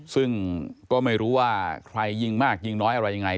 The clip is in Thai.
ซึ่งก็ไม่รู้ว่าใครยิงมากยิงน้อยอะไรยังไง